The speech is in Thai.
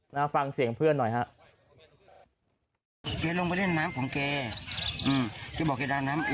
แล้วฟังเสียงเพื่อนหน่อยฮะ